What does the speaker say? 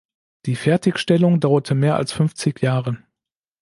Die Fertigstellung dauerte mehr als fünfzig Jahre.